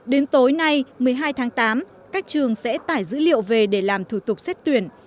đến tối nay một mươi hai tháng tám các trường sẽ tải dữ liệu về để làm thủ tục xét tuyển